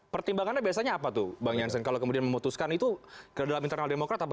pertimbangannya biasanya apa tuh bang jansen kalau kemudian memutuskan itu ke dalam internal demokrat apa